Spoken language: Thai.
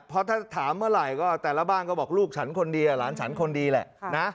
เพราะถ้าถามเมื่อไหร่ก็แต่ละบ้านก็บอกลูกฉันคนเดียวหลานฉันคนดีแหละนะ